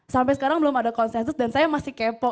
sampai sekarang belum ada konsensus dan saya masih kepo